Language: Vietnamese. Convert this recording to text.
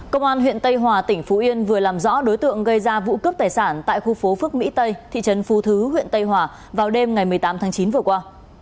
công an huyện tây hòa tỉnh phú yên vừa làm rõ đối tượng gây ra vụ cướp tài sản tại khu phố phước mỹ tây thị trấn phú thứ huyện tây hòa vào đêm ngày một mươi tám tháng chín vừa qua